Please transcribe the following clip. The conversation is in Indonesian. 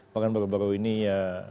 bahkan baru baru ini ya